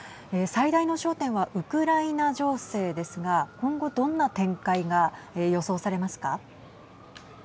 最大の焦点はウクライナ情勢ですが今後どんな展開が予想されますか。